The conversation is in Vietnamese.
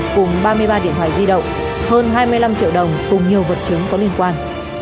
cùng ba mươi ba điện thoại di động hơn hai mươi năm triệu đồng cùng nhiều vật chứng có liên quan